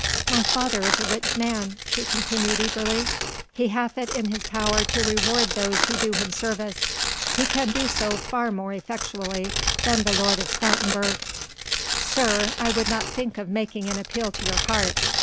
My father is a rich man," she continued eagerly, "he hath it in his power to reward those who do him service; he can do so far more effectually than the Lord of Stoutenburg. Sir! I would not think of making an appeal to your heart!